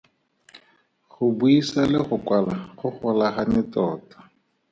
Go buisa le go kwala go golagane tota.